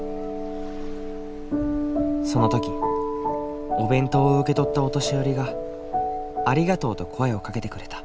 その時お弁当を受け取ったお年寄りが「ありがとう」と声をかけてくれた。